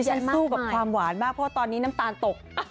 ฉันสู้กับความหวานมากเพราะตอนนี้น้ำตาลตก